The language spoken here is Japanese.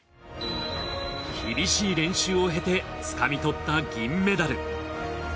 厳しい練習を経てつかみ取った銀メダル。